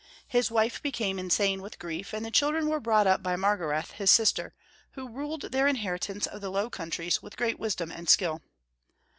His wife became insane with grief, and the children were brought up by Margarethe, his sister, who ruled their inheritance of the Low Countries with great wisdom and skill.